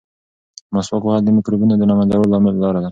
مسواک وهل د مکروبونو د له منځه وړلو لاره ده.